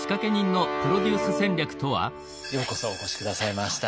ようこそお越し下さいました。